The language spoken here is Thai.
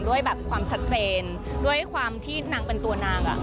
ด้วยแบบความชัดเจนด้วยความที่นางเป็นตัวนางอ่ะ